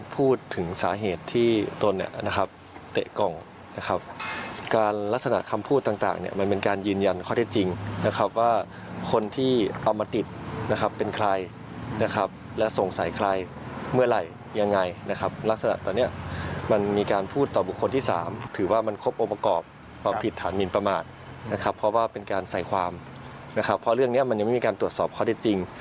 เพราะเรื่องนี้มันยังไม่มีการตรวจสอบเขาได้จริง